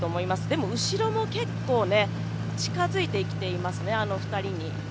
でも、後ろも結構近づいてきていますね、２人に。